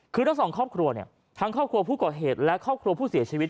คือทั้งสองครอบครัวเนี่ยทั้งครอบครัวผู้ก่อเหตุและครอบครัวผู้เสียชีวิต